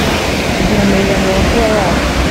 iduhumuriza mu makuba yacu